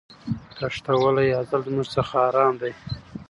تښتولی ازل زموږ څخه آرام دی